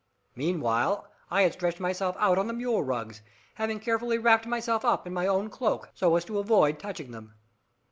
Meanwhile I had stretched myself out on the mule rugs, having carefully wrapped myself up in my own cloak, so as to avoid touching them.